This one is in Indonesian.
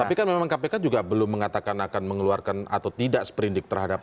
tapi kan memang kpk juga belum mengatakan akan mengeluarkan atau tidak seperindik terhadap